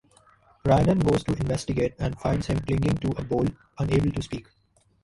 Rhiannon goes to investigate and finds him clinging to a bowl, unable to speak.